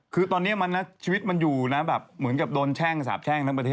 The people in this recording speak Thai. คือตอนนี้ชีวิตมันอยู่นะแบบเหมือนกับโดนแช่งสาบแช่งทั้งประเทศ